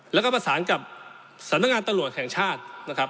แล้วก็ประสานกับสำนักงานตำรวจแห่งชาตินะครับ